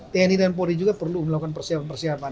tni dan polri juga perlu melakukan persiapan persiapan